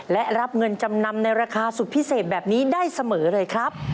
และรับเงินจำนำในราคาสุดพิเศษแบบนี้ได้เสมอเลยครับ